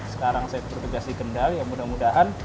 sekarang saya berpegasi kendal ya mudah mudahan